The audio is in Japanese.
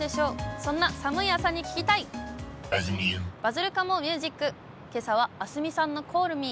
そんな寒い朝に聴きたい、バズるかもミュージック、けさはアスミさんのｃａｌｌｍｅ。